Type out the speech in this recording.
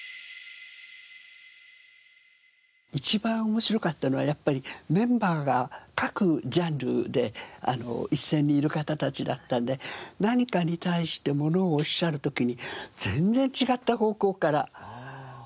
一番面白かったのはやっぱりメンバーが各ジャンルで一線にいる方たちだったので何かに対してものをおっしゃる時に全然違った方向からおっしゃるんですね。